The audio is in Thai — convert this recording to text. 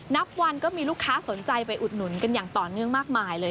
นับวันก็มีลูกค้าสนใจไปอุดหนุนกันอย่างต่อเนื่องมากมายเลย